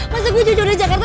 masa gue cucu dari jakarta